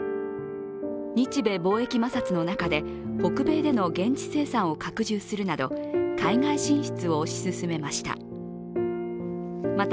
日米貿易摩擦の中で北米での現地生産を拡充するなど海外進出を推し進めました。